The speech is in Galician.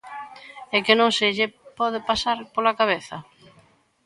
¡É que non se lle pode pasar pola cabeza!